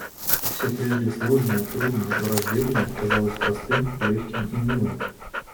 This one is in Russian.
Всё прежде сложное, трудное, враждебное казалось простым, легким и милым.